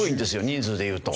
人数でいうと。